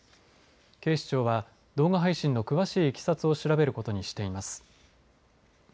警視庁は動画配信の詳しいいきさつを調べることにしています。